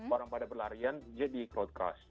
orang pada berlarian jadi crowd crush